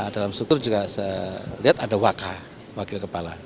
dalam struktur juga ada wakha wakil kepala